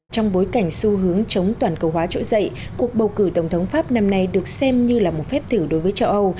trong bối cảnh xu hướng chống toàn cầu hóa trỗi dậy cuộc bầu cử tổng thống pháp năm nay được xem như là một phép thử đối với châu âu